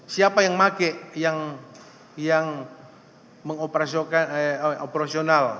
siapa yang pakai yang mengoperasional